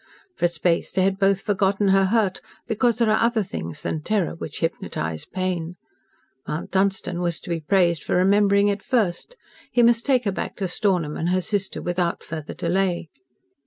For a space they had both forgotten her hurt, because there are other things than terror which hypnotise pain. Mount Dunstan was to be praised for remembering it first. He must take her back to Stornham and her sister without further delay.